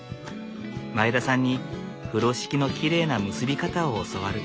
前田さんに風呂敷のきれいな結び方を教わる。